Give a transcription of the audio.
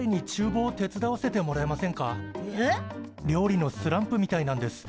料理のスランプみたいなんです。